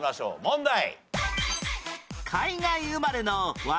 問題！